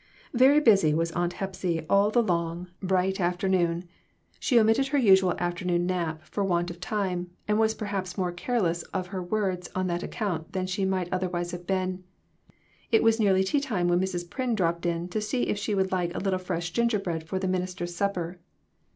Very busy was Aunt Hepsy all the long, bright MORAL EVOLUTION. 143 afternoon ; she omitted her usual afternoon nap for want of time, and was perhaps more careless of her words on that account than she might otherwise have been. It was nearly tea time when Mrs. Pryn dropped in to see if she would like a little fresh gingerbread for the minister's supper.